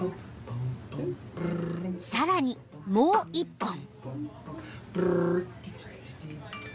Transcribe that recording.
［さらにもう一本］